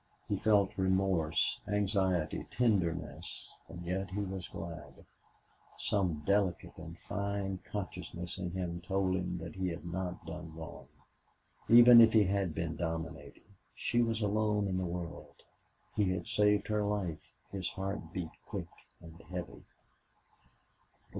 He felt remorse, anxiety, tenderness, and yet he was glad. Some delicate and fine consciousness in him told him he had not done wrong, even if he had been dominating. She was alone in the world; he had saved her life. His heart beat quick and heavy.